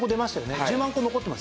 １０万個残ってますよね？